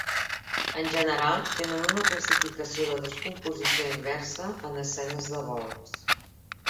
En general, tenen una classificació de descomposició inversa en desenes de volts.